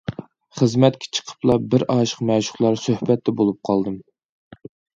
خىزمەتكە چىقىپلا بىر ئاشىق- مەشۇقلار سۆھبەتتە بولۇپ قالدىم.